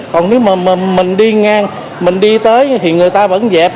còn nếu mà mình đi ngang mình đi tới thì người ta vẫn dẹp